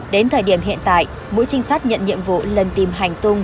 đến thời điểm hiện tại mỗi trinh sát nhận nhiệm vụ lần tìm hành tung